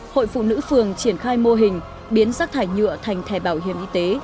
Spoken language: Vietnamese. hội phụ nữ phường triển khai mô hình biến rác thải nhựa thành thẻ bảo hiểm y tế